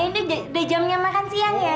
oh iya ini udah jamnya makan siang ya